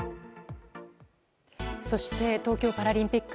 そして、東京パラリンピック。